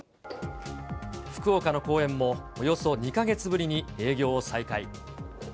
福岡の公園も、およそ２か月ぶりに営業を再開。